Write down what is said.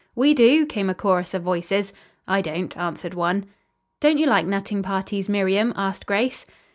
"We do," came a chorus of voices. "I don't," answered one. "Don't you like nutting parties, Miriam?" asked Grace.